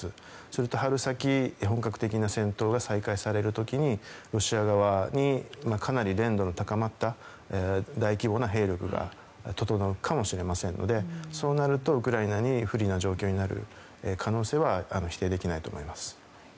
すると春先、本格的な戦闘が再開される時ロシア側にかなり練度の高まった大規模な兵力が整うかもしれませんのでそうなるとウクライナに不利な状況になる可能性は否定できないと思います。